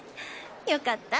良かった。